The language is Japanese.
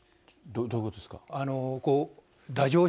どういうことですか？